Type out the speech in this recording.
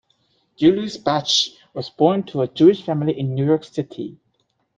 Julius Bache was born to a Jewish family in New York City.